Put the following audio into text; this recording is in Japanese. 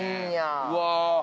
うわ。